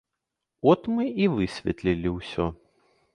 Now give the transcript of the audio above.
От мы і высветлілі ўсё.